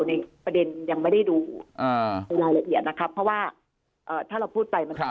ในประเด็นยังไม่ได้ดูในรายละเอียดนะครับเพราะว่าถ้าเราพูดไปมันก็